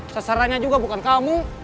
sesarannya juga bukan kamu